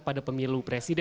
pada pemilu presiden